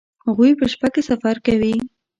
هغوی په شپه کې سفر کوي